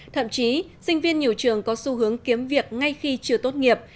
thậm chí sinh viên nhiều trường có xu hướng kiếm việc ngay khi chưa tốt nghiệp